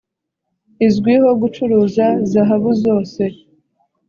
izwiho gucuruza zahabu zose."